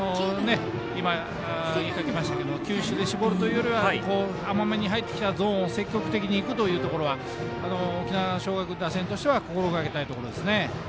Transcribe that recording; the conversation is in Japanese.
球種で絞るというよりは甘め入ってきたゾーンを積極的にいくというところは沖縄尚学打線としては心がけたいところです。